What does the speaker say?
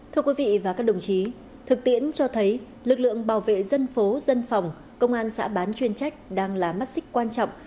thưa quý vị và các đồng chí thực tiễn cho thấy lực lượng bảo vệ dân phố dân phòng công an xã bán chuyên trách đang là mắt xích quan trọng